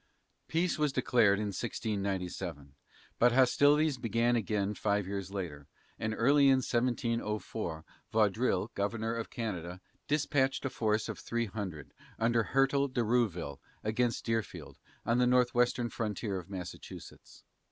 Peace was declared in 1697, but hostilities began again five years later, and early in 1704 Vaudreuil, governor of Canada, dispatched a force of three hundred, under Hertel de Rouville, against Deerfield, on the northwestern frontier of Massachusetts.